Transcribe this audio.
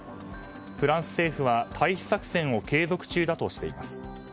フランス政府は退避作戦を継続中だとしています。